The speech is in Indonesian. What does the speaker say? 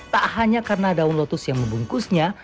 tak hanya karena daun lotus yang membungkusnya